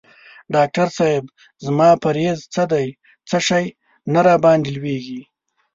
ډاکټر صېب زما پریز څه دی څه شی نه راباندي لویږي؟